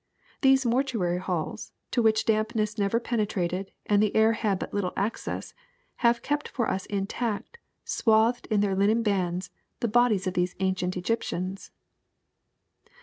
These mortuary halls, to which dampness never penetrated and the air had but little access, have kept for us intact, swathed in their linen bands, the bodies of the ancient Egyptians."